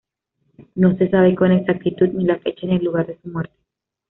No se sabe con exactitud ni la fecha ni el lugar de su muerte.